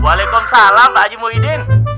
waalaikumsalam pak haji muhyiddin